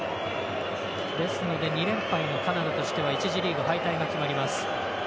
ですので２連敗のカナダとしては１次リーグ敗退が決まります。